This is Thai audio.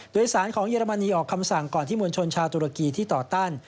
โดยสารของเยอรมนีออกคำสั่งก่อนที่มวลชนชาวตุรกีที่ต่อต้าน